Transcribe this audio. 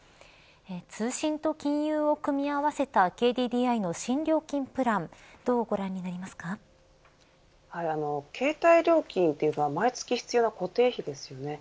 通信と金融を組み合わせたＫＤＤＩの新料金プランどうご覧になりますか。携帯料金というのは毎月必要な固定費ですよね。